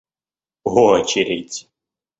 очередь